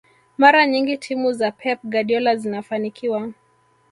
mara nyingi timu za pep guardiola zinafanikiwa